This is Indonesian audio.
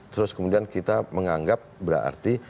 terus kemudian kita menganggap berarti